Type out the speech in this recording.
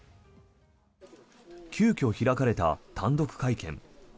急きょ開かれた単独会見。